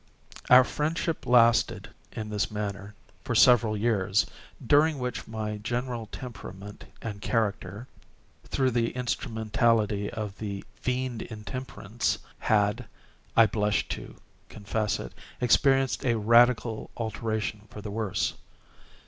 Our friendship lasted, in this manner, for several years, during which my general temperament and character—through the instrumentality of the Fiend Intemperance—had (I blush to confess it) experienced a radical alteration for the worse.